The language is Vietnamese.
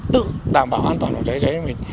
tự đảm bảo an toàn phòng cháy cháy cho mình